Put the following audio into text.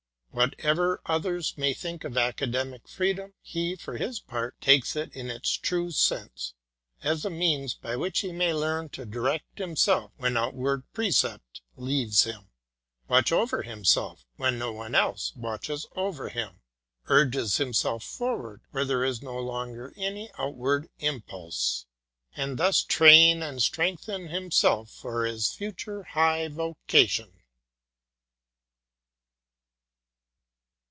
What ever others may think of Academic Freedom, he, for his part, takes it in its true sense: as a means by which he may learn to direct himself when outward precept leaves him, watch over himself when no one else watches over him, urge himself forward where there is no longer any outward impulse, and thus train and strengthen himself for his fu ture high vocation.